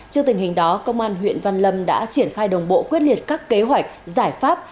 trước tình hình đó công an huyện văn lâm đã triển khai đồng bộ quyết liệt các kế hoạch giải pháp